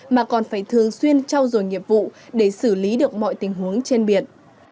mà còn phải thường xuyên trao dồi nghiệp vụ để xử lý được mọi tình huống trên biển